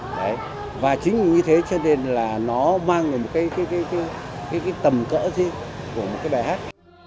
đấy và chính vì như thế cho nên là nó mang được một cái tầm cỡ gì của một cái bài hát